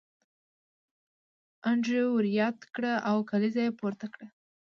انډریو ور یاد کړ او کلیزه یې پورته کړه